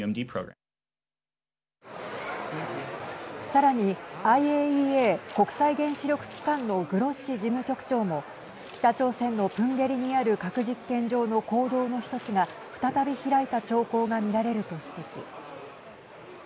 さらにＩＡＥＡ＝国際原子力機関のグロッシ事務局長も北朝鮮のプンゲリにある核実験場の坑道の１つが再び開いた兆候が見られると指摘。